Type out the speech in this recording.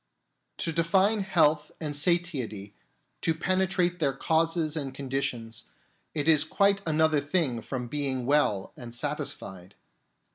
To define health and satiety, to penetrate their causes and conditions, is quite another thing from being well and satisfied.